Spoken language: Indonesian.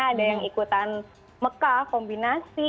ada yang ikutan mekah kombinasi